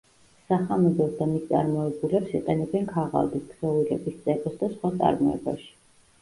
სახამებელს და მის წარმოებულებს იყენებენ ქაღალდის, ქსოვილების, წებოს და სხვა წარმოებაში.